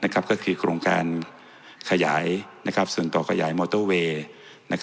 ก็คือโครงการขยายส่วนต่อขยายมอเตอร์เวย์